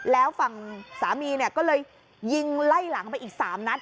แล้วฝั่งสามีเนี่ยก็เลยยิงไล่หลังไปอีก๓นัด